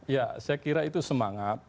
ya saya kira itu semangat